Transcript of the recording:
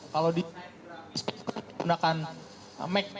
kalau di media online misalnya kita menggunakan mac